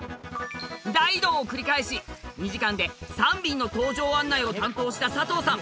大移動を繰り返し２時間で３便の搭乗案内を担当した佐藤さん。